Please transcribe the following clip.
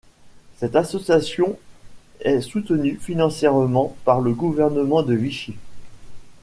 Cette association est soutenue financièrement par le gouvernement de Vichy.